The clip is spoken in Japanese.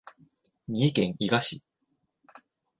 三重県伊賀市